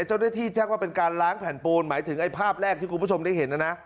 เจ้าหน้าที่แจ้งว่าเป็นการล้างแผ่นปูนหมายถึงไอ้ภาพแรกที่คุณผู้ชมได้เห็นนะนะ